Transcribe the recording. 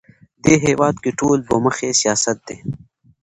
دې هېواد کې ټول دوه مخی سیاست دی